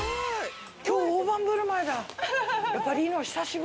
今日大盤ぶるまいだ。